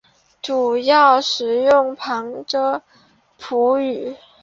主要使用旁遮普语。